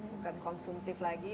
bukan konsumtif lagi